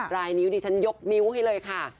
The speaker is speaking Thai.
รายนิ้วดิฉันยกนิ้วให้เลยค่ะ